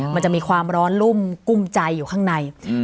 มันจะมีความร้อนลุ่มกุ้มใจอยู่ข้างใน